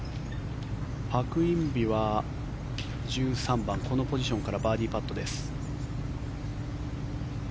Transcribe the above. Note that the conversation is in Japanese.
パク・インビは１３番このポジションからバーディーパットです。